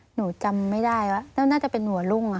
หนูจำไม่ได้นะว่าน่าจะเป็นหัวโล่งอะค่ะ